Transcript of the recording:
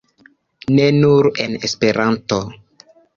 Ne nur en Esperanto.